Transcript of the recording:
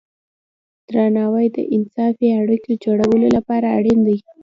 درناوی د انصافی اړیکو جوړولو لپاره اړین دی.